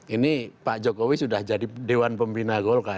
ini pak jokowi sudah jadi dewan pembina golkar